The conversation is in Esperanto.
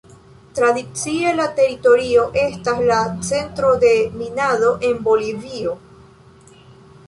Tradicie la teritorio estas la centro de minado en Bolivio.